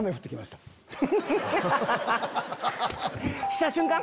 した瞬間？